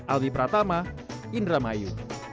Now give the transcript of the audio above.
aldi pratama indra mayu